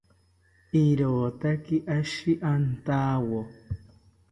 Rirotaki oshi antawo